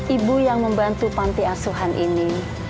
ibu yang membantu panti asuhan ini